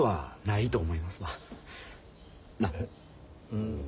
うん。